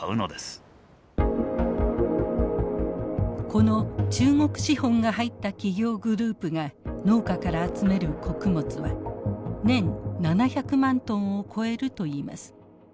この中国資本が入った企業グループが農家から集める穀物は年７００万トンを超えるといいます。